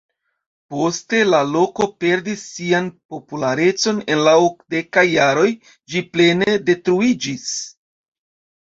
Poste la loko perdis sian popularecon, en la okdekaj jaroj ĝi plene detruiĝis.